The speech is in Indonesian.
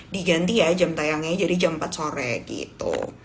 diganti ya jam tayangnya jadi jam empat sore gitu